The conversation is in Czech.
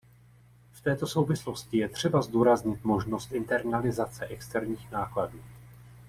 V této souvislosti je třeba zdůraznit možnost internalizace externích nákladů.